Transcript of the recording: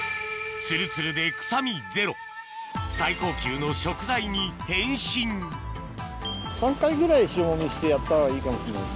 ・ツルツルで臭みゼロ最高級の食材に変身３回ぐらい塩揉みしてやったほうがいいかもしれない。